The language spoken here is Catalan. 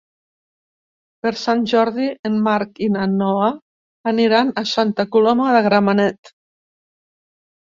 Per Sant Jordi en Marc i na Noa aniran a Santa Coloma de Gramenet.